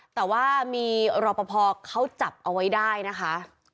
แต่ว่ามีรอปภเขาจับเอาไว้ได้นะคะ